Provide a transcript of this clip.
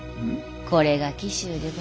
これが紀州でございます。